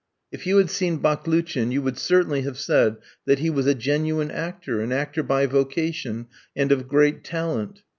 If you had seen Baklouchin you would certainly have said that he was a genuine actor, an actor by vocation, and of great talent.